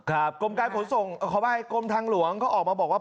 กรมการขนส่งขออภัยกรมทางหลวงเขาออกมาบอกว่า